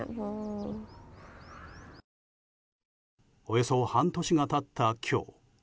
およそ半年が経った今日。